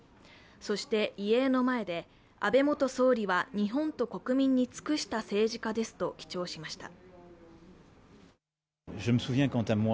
そして、遺影の前で安倍元総理は日本と国民に尽くした政治家ですと記帳しました。